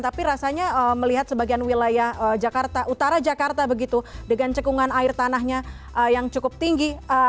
tapi rasanya melihat sebagian wilayah jakarta utara jakarta begitu dengan cekungan air tanahnya yang cukup tinggi